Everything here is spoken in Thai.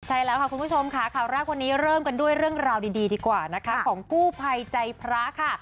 ใช่แล้วค่ะคุณผู้ชมค่ะข่าวแรกวันนี้เริ่มกันด้วยเรื่องราวดีดีกว่านะคะของกู้ภัยใจพระค่ะ